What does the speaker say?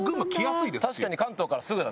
確かに関東からすぐだね。